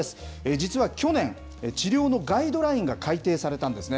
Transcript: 実は去年、治療のガイドラインが改定されたんですね。